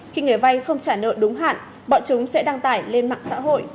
khi người vay không trả nợ đúng hạn bọn chúng sẽ đăng tải lên mạng xã hội